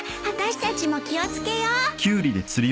私たちも気を付けよう。